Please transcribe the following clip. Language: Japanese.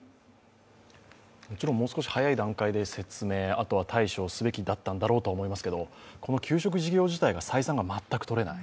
もちろんもう少し早い段階で、説明対処をすべきだったんだろうと思いますがこの給食事業自体が採算が全くとれない。